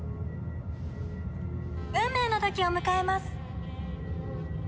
運命の時を迎えます！